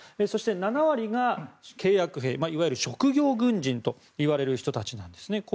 そして、７割が契約兵いわゆる職業軍人といわれる人たちですね。